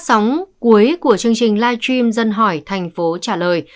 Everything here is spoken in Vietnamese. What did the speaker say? trong số phát sóng cuối của chương trình live stream dân hỏi thành phố trả lời